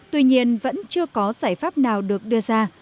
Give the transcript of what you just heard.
tuy nhiên vẫn chưa có giải pháp nào được đưa ra